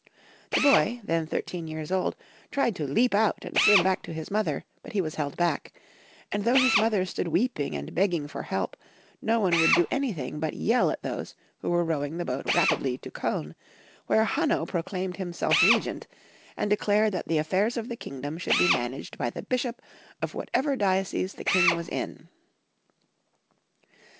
The boy, then thirteen years old, tried to leap out and swim back to his mother, but he was held back ; and though his mother stood weeping and begging for help, no one would do anything but yell at those who were rowing the boat rapidly to Koln, where Hanno proclaimed himself Regent, and declared that the aflfairs of the kingdom should be managed by the bishop of whatever diocese the King was in.